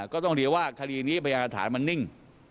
ก็ต้องเรียกว่าคดีนี้พยานฐานมันนิ่ง